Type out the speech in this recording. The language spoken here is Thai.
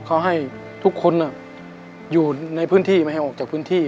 เขาให้ทุกคนอยู่ในพื้นที่ไม่ให้ออกจากพื้นที่